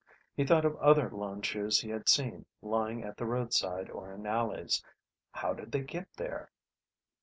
He thought of other lone shoes he had seen, lying at the roadside or in alleys. How did they get there...?